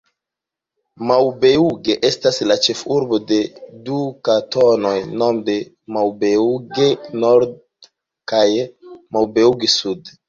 Maubeuge estas la ĉefurbo de du kantonoj, nome Maubeuge-Nord kaj Maubeuge-Sud.